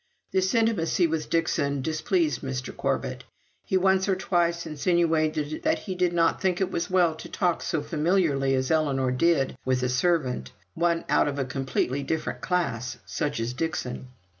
This intimacy with Dixon displeased Mr. Corbet. He once or twice insinuated that he did not think it was well to talk so familiarly as Ellinor did with a servant one out of a completely different class such as Dixon.